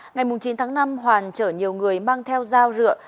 ngày chín tháng năm hoàn chở nhiều người mang theo dao rượu